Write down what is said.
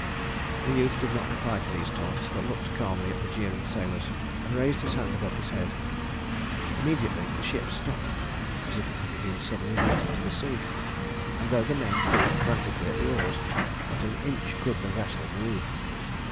The youth did not reply to these taunts, but looked calmly at the jeering sailors, and raised his hand above his head. Immediately the ship stopped as if it had been suddenly rooted to the sea; and though the men pulled frantically at the oars, not an inch could the vessel move.